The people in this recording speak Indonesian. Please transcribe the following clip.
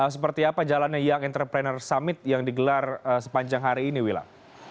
seperti apa jalannya young entrepreneur summit yang digelar sepanjang hari ini wilam